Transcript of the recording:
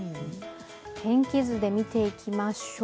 天気図で見ていきましょう。